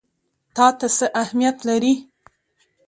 تا ته څه اهمیت لري؟